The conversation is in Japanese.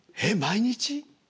えっ毎日？